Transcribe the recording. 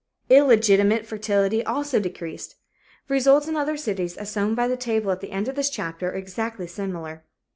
Illegitimate fertility also decreased. Results in other cities, as shown by the table at the end of this chapter, are exactly similar.